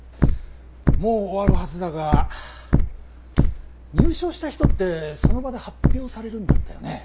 もう終わるはずだが入賞した人ってその場で発表されるんだったよね。